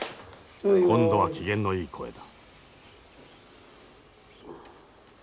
今度は機嫌のいい声だ。